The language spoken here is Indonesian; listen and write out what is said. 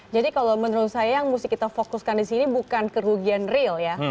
jadi kalau menurut saya yang mesti kita fokuskan di sini bukan kerugian real ya